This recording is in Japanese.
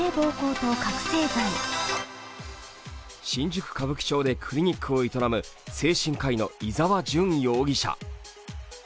新宿歌舞伎町でクリニックを営む精神科医の伊沢純容疑者。